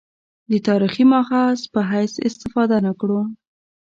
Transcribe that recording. د تاریخي مأخذ په حیث استفاده نه کړو.